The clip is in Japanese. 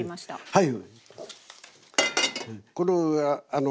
はい。